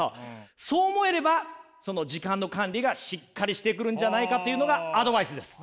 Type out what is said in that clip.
そう思えればその時間の管理がしっかりしてくるんじゃないかというのがアドバイスです。